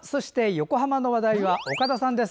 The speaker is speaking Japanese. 横浜の話題は岡田さんです。